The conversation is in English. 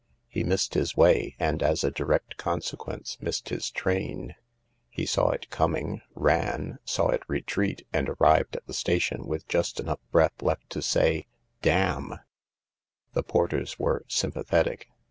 He missed his way, and, as a direct consequence, missed his train. He saw it coming, ran, saw it retreat, and arrived at the station with just enough breath left to say " Damn 1 " The porters were sympathetic.